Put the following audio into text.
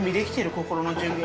心の準備。